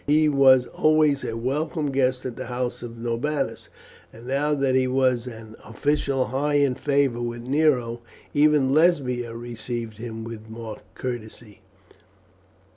He was always a welcome guest at the house of Norbanus, and now that he was an official high in favour with Nero, even Lesbia received him with marked courtesy.